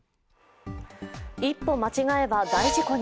一歩間違えば大事故に。